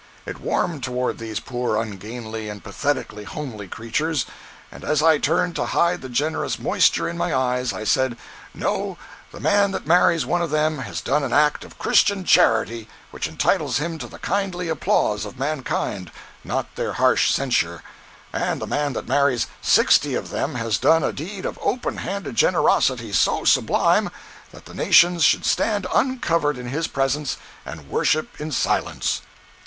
It warmed toward these poor, ungainly and pathetically "homely" creatures, and as I turned to hide the generous moisture in my eyes, I said, "No—the man that marries one of them has done an act of Christian charity which entitles him to the kindly applause of mankind, not their harsh censure—and the man that marries sixty of them has done a deed of open handed generosity so sublime that the nations should stand uncovered in his presence and worship in silence."